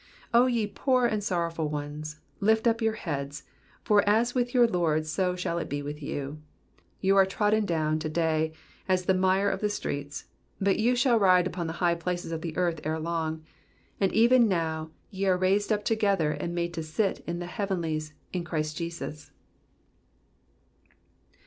O ye poor and sorrow ful ones, lift up your heads, for as with your Lord so shall it be with you. You are trodden down to day as the mire of the streets, but you shall ride upon the high places of the earth ere long ; and even now ye are raised up to gether, and made to sit together in the heavenlies in Christ Jesus.